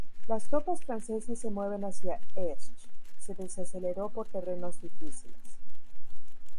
Las tropas francesas se mueven hacia Esch se desaceleró por terrenos difíciles.